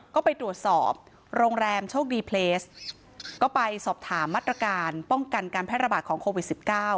ก็ไปตรวจสอบโรงแรมโชคดีเพลสก็ไปสอบถามมาตรการป้องกันการแพร่ระบาดของโควิด๑๙